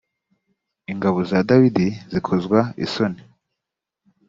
ingabo za dawidi zikozwa isoni